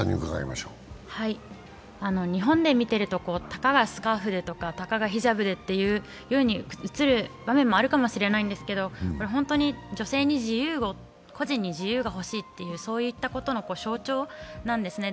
日本で見ているとたかがスカーフでとか、たかがヒジャブでっていうように映る場面もあるかもしれませんが本当に女性に自由を、個人に自由が欲しいと、そういったことの象徴なんですね。